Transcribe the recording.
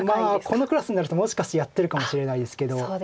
このクラスになるともしかしてやってるかもしれないですけど。